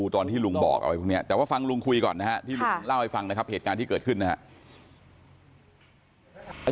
ที่ลูกเล่าให้ฟังนะครับเหตุการณ์ที่เกิดขึ้นนะครับ